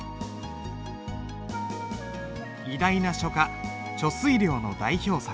偉大な書家遂良の代表作。